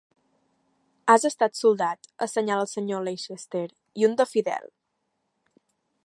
"Has estat soldat", assenyala el senyor Leicester, "i un de fidel".